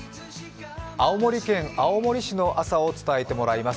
青森県青森市の朝を伝えてもらいます。